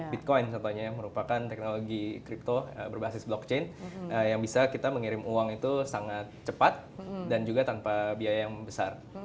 bitcoin contohnya yang merupakan teknologi crypto berbasis blockchain yang bisa kita mengirim uang itu sangat cepat dan juga tanpa biaya yang besar